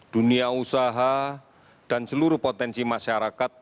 dunia usaha dan seluruh potensi masyarakat